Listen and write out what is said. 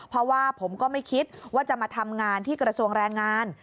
เพราะว่าผมก็ไม่คิดว่าจะมาทำงานที่กระทรวงแรงงาน